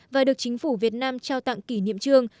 và được chính phủ việt nam trao tặng kỷ niệm trương